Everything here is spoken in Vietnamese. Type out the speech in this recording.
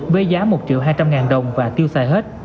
với giá một triệu hai trăm linh ngàn đồng và tiêu xài hết